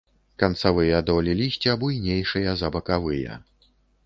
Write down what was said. Канцавыя долі лісця буйнейшыя за бакавыя.